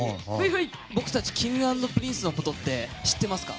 僕たちＫｉｎｇ＆Ｐｒｉｎｃｅのことって知ってますか？